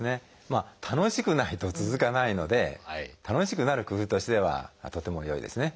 まあ楽しくないと続かないので楽しくなる工夫としてはとても良いですね。